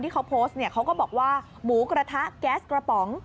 เขาโพสต์เนี่ยเขาก็บอกว่าหมูกระทะแก๊สกระป๋อง